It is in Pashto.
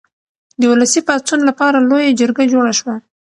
د ولسي پاڅون لپاره لویه جرګه جوړه شوه.